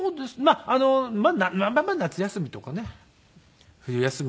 あのまあまあ夏休みとかね冬休みとか。